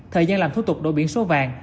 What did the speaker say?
thời gian làm thô tục đổi biển số vàng